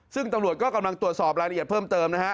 ซึ่งตำรวจก็กำลังตรวจสอบรายละเอียดเพิ่มเติมนะฮะ